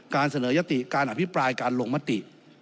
เสนอยติการอภิปรายการลงมติ